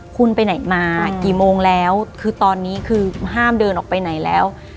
คุณไปไหนมากี่โมงแล้วคือตอนนี้คือห้ามเดินออกไปไหนแล้ว